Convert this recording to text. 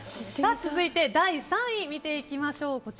続いて第３位見ていきましょう。